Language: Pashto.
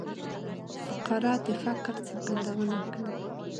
فقره د فکر څرګندونه کوي.